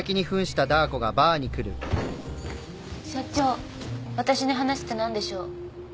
社長私に話ってなんでしょう？